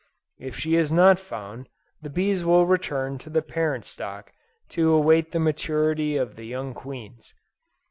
If she is not found, the bees will return to the parent stock to await the maturity of the young queens.